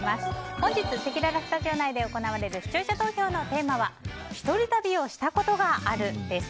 本日せきららスタジオ内で行われる視聴者投票のテーマは一人旅をしたことがあるです。